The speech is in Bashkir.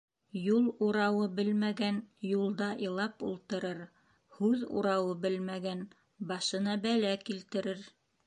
Юл урауы белмәгән юлда илап ултырыр, һүҙ урауы белмәгән башына бәлә килтерер.